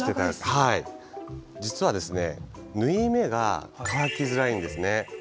実は、縫い目が乾きづらいんです。